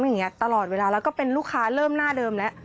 อย่างนี้ตลอดเวลาแล้วก็เป็นลูกค้าเริ่มหน้าเดิมแล้ว